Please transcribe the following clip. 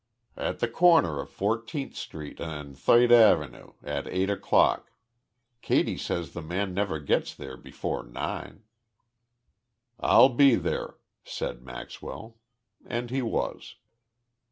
"At the corner of Fourteenth Street and Thoid Av'nue, at eight o'clock. Katy says th' man never gets there before nine." "I'll be there," said Maxwell and he was.